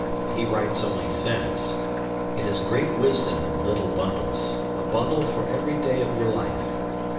He writes only sense. It is great wisdom in little bundles, a bundle for every day of your life.